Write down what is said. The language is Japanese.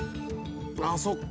ああそっか。